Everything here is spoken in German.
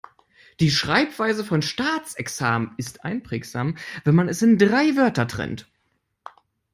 Die Schreibweise von Staatsexamen ist einprägsam, wenn man es in drei Wörter trennt.